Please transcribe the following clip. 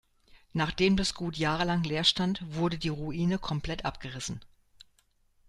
Nachdem das Gut jahrelang leer stand, wurde die Ruine komplett abgerissen.